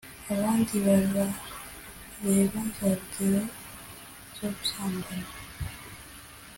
abandi barareba za video zo gusambana,